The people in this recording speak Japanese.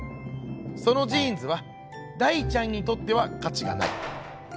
「そのジーンズは大ちゃんにとっては価値がない」。